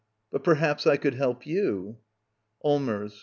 But perhaps I could help you. ^' Ai'LMERS.